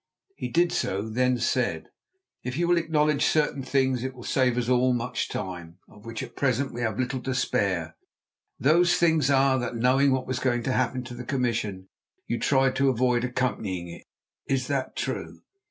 He did so, then said: "If you will acknowledge certain things it will save us all much time, of which at present we have little to spare. Those things are that knowing what was going to happen to the commission, you tried to avoid accompanying it. Is that true?"